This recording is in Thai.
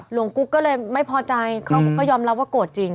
หลวงกุ๊กก็เลยไม่พอใจเขาก็ยอมเล่าว่าโกรธจริง